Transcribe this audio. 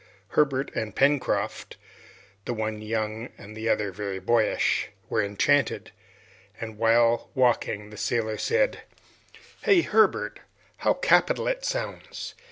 Herbert and Pencroft the one young and the other very boyish were enchanted, and while walking, the sailor said, "Hey, Herbert! how capital it sounds!